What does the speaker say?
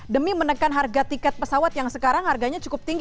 demi menekan harga tiket pesawat yang sekarang harganya cukup tinggi